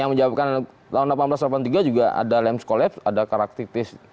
yang menjawabkan tahun seribu delapan ratus delapan puluh tiga juga ada lems collapse ada karakteristik